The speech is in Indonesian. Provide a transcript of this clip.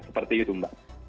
seperti itu mbak